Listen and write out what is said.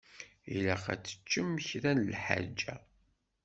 Ilaq ad teččem kra n lḥaǧa.